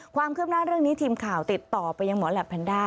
ความคืบหน้าเรื่องนี้ทีมข่าวติดต่อไปยังหมอแหลปแพนด้า